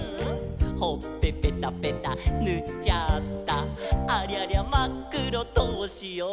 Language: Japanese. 「ほっぺぺたぺたぬっちゃった」「ありゃりゃまっくろどうしよー！？」